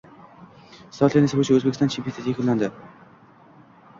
Stol tennisi bo‘yicha O‘zbekiston chempionati yakunlandi